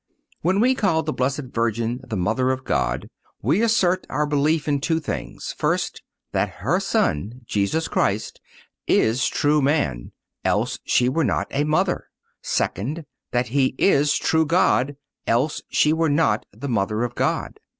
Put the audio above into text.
When we call the Blessed Virgin the Mother of God, we assert our belief in two things: First—That her Son, Jesus Christ, is true man, else she were not a mother. Second—That He is true God, else she were not the Mother of God.